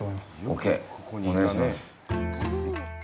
お願いします。